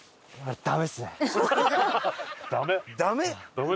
ダメ？